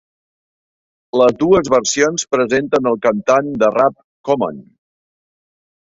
Les dues versions presenten el cantant de rap Common.